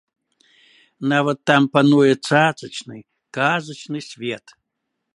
Нават там пануе цацачны, казачны свет.